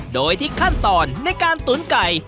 โดยที่ขั้นตอนในการตุ๋นไก่